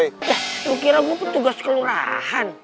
yah lo kira gue pun tugas kelurahan